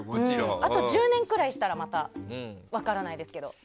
あと１０年くらいしたら分からないですけど。